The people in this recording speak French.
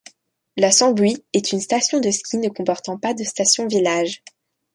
La Sambuy est une station de ski ne comportant pas de station-village.